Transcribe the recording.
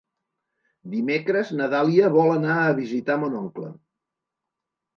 Dimecres na Dàlia vol anar a visitar mon oncle.